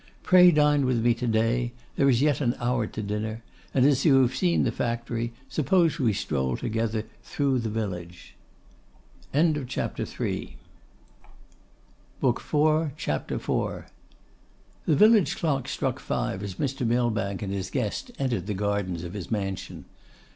Pray dine with me to day; there is yet an hour to dinner; and as you have seen the factory, suppose we stroll together through the village.' CHAPTER IV. The village clock struck five as Mr. Millbank and his guest entered the gardens of his mansion.